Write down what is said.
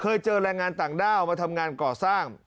เคยเจอแรงงานต่างด้าวมาทำงานก่อสร้าง